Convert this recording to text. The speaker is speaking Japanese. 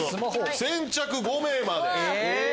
先着５名まで。